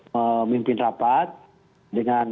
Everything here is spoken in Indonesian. memimpin rapat dengan